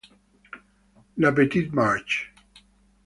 La Petite-Marche